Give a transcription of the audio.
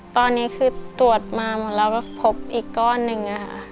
ตอนนี้คือตรวจมาหมดแล้วก็พบอีกก้อนหนึ่งค่ะ